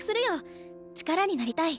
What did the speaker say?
力になりたい。